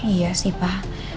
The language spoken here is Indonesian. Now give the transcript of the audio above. iya sih pak